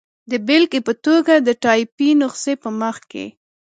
د بېلګې په توګه، د ټایپي نسخې په مخ کې.